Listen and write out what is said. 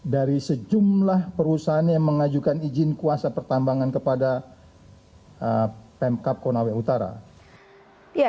dari sejumlah perusahaan yang mengajukan izin kuasa pertambangan kepada pemkap konawe utara